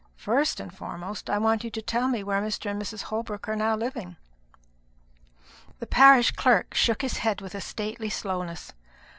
"First and foremost, I want you to tell me where Mr. and Mrs. Holbrook are now living." The parish clerk shook his head with a stately slowness.